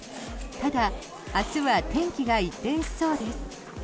ただ、明日は天気が一転しそうです。